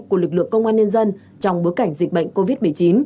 của lực lượng công an nhân dân trong bối cảnh dịch bệnh covid một mươi chín